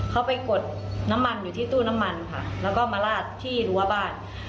เขาไปกดน้ำมันอยู่ที่ตู้น้ำมันค่ะแล้วก็มาลาดที่รั้วบ้าน